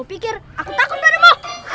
pikir aku takut padamu